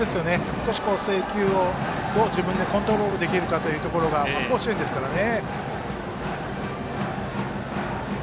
少し制球をどう自分でコントロールできるかというところが甲子園ですからね。